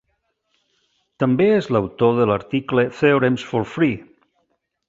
També és l'autor de l'article "Theorems for free!".